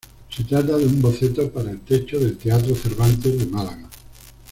Se trata de un boceto para el techo del teatro Cervantes de Málaga.